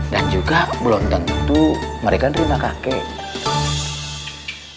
dan juga belum tentu mereka nerima kakek